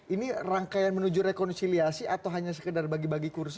ini rangkaian menuju rekonsiliasi atau hanya sekedar bagi bagi kursi